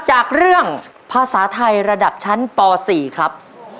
จากเรื่องภาษาไทยระดับชั้นป๔ครับ